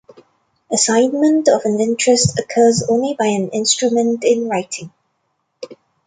Assignment of an interest occurs only by an "instrument in writing".